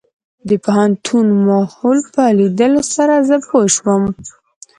د پوهنتون ماحول په ليدلو سره زه پوه شوم.